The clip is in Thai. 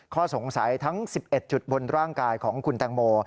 ข้อสงสัยทั้ง๑๑จุดบนร่างกายของคุณแตงโม